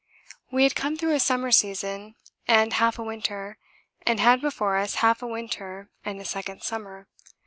We had come through a summer season and half a winter, and had before us half a winter and a second summer.